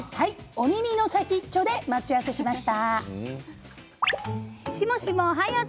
お耳の先っちょで待ち合わせしました。